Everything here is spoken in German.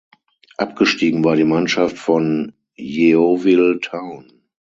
Abgestiegen war die Mannschaft von Yeovil Town.